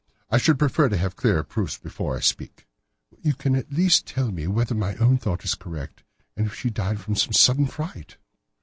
"I should prefer to have clearer proofs before I speak." "You can at least tell me whether my own thought is correct, and if she died from some sudden fright."